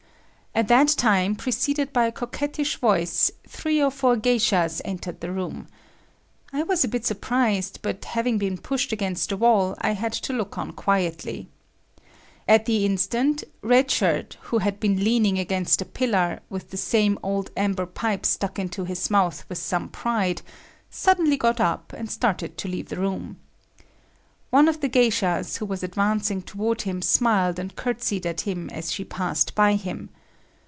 At that time, preceded by a coquetish voice, three or four geishas entered the room. I was a bit surprised, but having been pushed against the wall, I had to look on quietly. At the instant, Red Shirt who had been leaning against a pillar with the same old amber pipe stuck into his mouth with some pride, suddenly got up and started to leave the room. One of the geishas who was advancing toward him smiled and courtesied at him as she passed by him.